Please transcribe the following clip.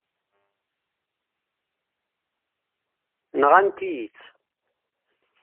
Nɣant-iyi-tt.